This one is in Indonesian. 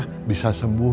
tapi bisa sembuh